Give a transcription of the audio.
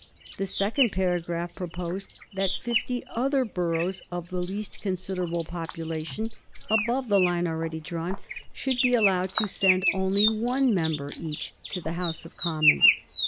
The second paragraph proposed that fifty other boroughs of the least considerable population, above the line already drawn, should be allowed to send only one member each to the House of Commons.